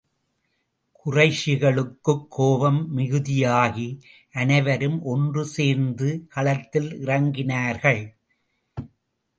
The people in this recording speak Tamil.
குறைஷிகளுக்குக் கோபம் மிகுதியாகி, அனைவரும் ஒன்று சேர்ந்து களத்தில் இறங்கினார்கள்.